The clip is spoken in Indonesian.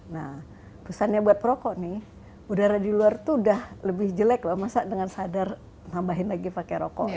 nah pesannya buat perokok nih udara di luar itu udah lebih jelek loh masa dengan sadar tambahin lagi pakai rokok